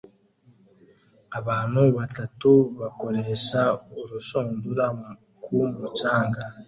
Abantu batatu bakoresha urushundura ku mucanga